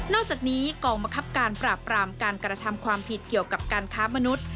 อกจากนี้กองบังคับการปราบปรามการกระทำความผิดเกี่ยวกับการค้ามนุษย์